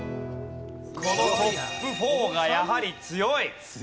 このトップ４がやはり強い！